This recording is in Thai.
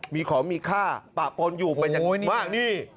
มีของมีค่าปะปนอยู่เป็นอย่างมากนี่